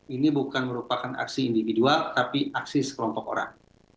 ini bukan merupakan aksi individual tapi aksi sekelompok orang